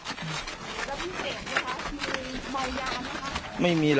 ด่าใบไหนครับ